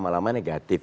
dengan kena busik